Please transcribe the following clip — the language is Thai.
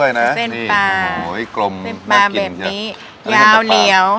เส้นปลาเส้นปลาแบบนี้ยาวเหลี่ยว